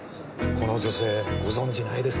この女性ご存じないですか？